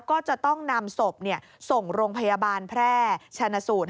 ก็จะต้องนำศพส่งโรงพยาบาลแพร่ชนะสูตร